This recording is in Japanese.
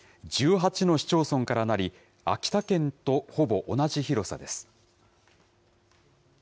１８の市町村からなり、秋田県とほぼ同じ広さです。